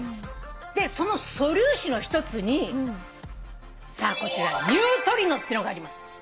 でその素粒子の一つにさあこちらニュートリノってのがあります。